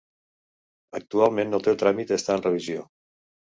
Actualment el teu tràmit està en revisió.